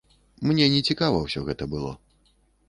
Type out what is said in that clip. Мне нецікава ўсё гэта было.